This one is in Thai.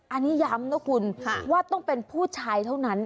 อันนี้ย้ำนะคุณว่าต้องเป็นผู้ชายเท่านั้น